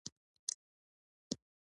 بازار چیرته دی؟